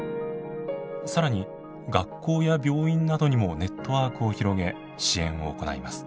更に学校や病院などにもネットワークを広げ支援を行います。